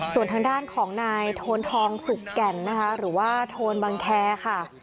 ส่วนทางด้านของนายโทนทองสุกแก่นนะคะหรือว่าโทนบังแคร์ค่ะ